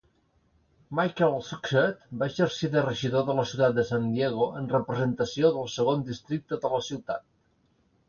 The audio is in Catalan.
Michael Zucchet va exercir de regidor de la ciutat de San Diego en representació del segon districte de la ciutat.